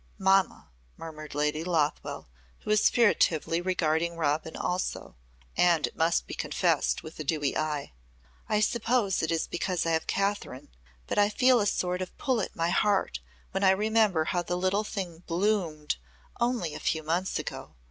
"Mamma," murmured Lady Lothwell who was furtively regarding Robin also and it must be confessed with a dewy eye "I suppose it is because I have Kathryn but I feel a sort of pull at my heart when I remember how the little thing bloomed only a few months ago!